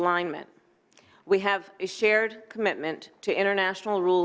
kita memiliki komitmen yang berkaitan dengan peraturan dan norma internasional